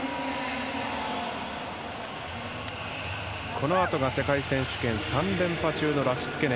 このあとが世界選手権３連覇中のラシツケネ。